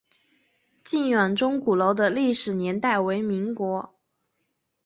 靖远钟鼓楼的历史年代为民国。